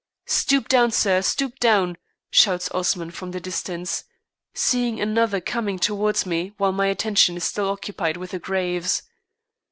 "Stoop down, sir, stoop down," shouts Osman from the distance, seeing another coming towards me while my attention is still occupied with the graves.